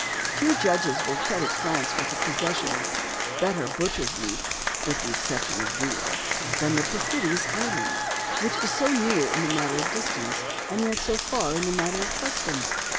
Few judges will credit France with the possession of better butcher's meat with the exception of veal than the perfidious island, which is so near in the matter of distance, and yet so far in the matter of custom.